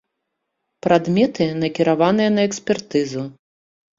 Прадметы накіраваныя на экспертызу.